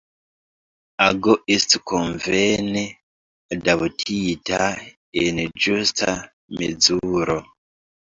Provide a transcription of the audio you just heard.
Ago estu konvene adaptita, en ĝusta mezuro.